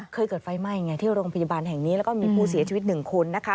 เคยเกิดไฟไหม้ไงที่โรงพยาบาลแห่งนี้แล้วก็มีผู้เสียชีวิตหนึ่งคนนะคะ